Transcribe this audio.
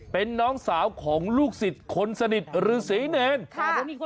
เป็นน้องสาวของลูกสิทธิ์คนสนิทฤษีเนร